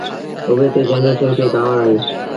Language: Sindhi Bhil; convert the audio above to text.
اُئي تي چنيسر کي ڪآوڙ آئيٚ۔